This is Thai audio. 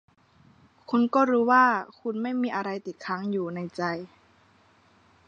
คุณก็รู้ว่า คุณไม่มีอะไรติดค้างอยู๋ในใจ